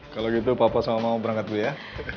kalo gitu papa sama mama berangkat dulu ya